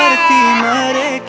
jatuh jatuh jatuh jatuh